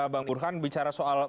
bang burhan bicara soal